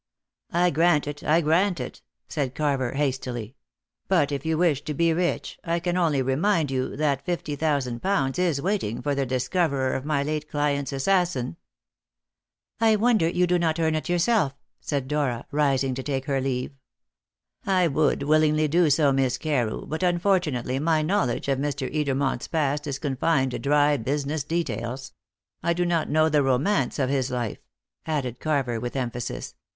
"I grant it, I grant it," said Carver hastily; "but if you wish to be rich, I can only remind you that fifty thousand pounds is waiting for the discoverer of my late client's assassin." "I wonder you do not earn it yourself," said Dora, rising to take her leave. "I would willingly do so, Miss Carew, but unfortunately my knowledge of Mr. Edermont's past is confined to dry business details. I do not know the romance of his life," added Carver with emphasis.